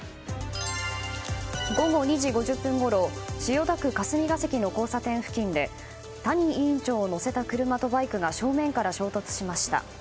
午後２時５０分ごろ千代田区霞が関の交差点付近で谷委員長を乗せた車とバイクが正面から衝突しました。